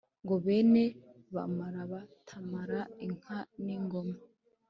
Ngo bene Bamara batamara inka n’ingoma